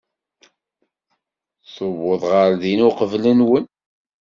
Tuweḍ ɣer din uqbel-nwen.